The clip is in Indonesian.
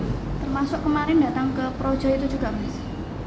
termasuk kemarin datang ke projo itu juga mas